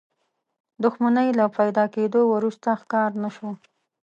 دښمنۍ له پيدا کېدو وروسته ښکار نه شو.